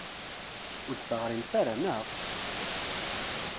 Ur d-teɣrimt ara, naɣ?